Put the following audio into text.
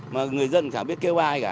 mà người dân chẳng biết kêu ai cả